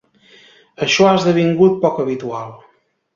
Això ha esdevingut poc habitual.